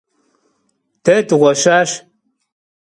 De dığueşaş.